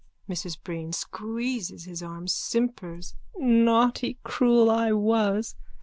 MRS BREEN: (Squeezes his arm, simpers.) Naughty cruel I was!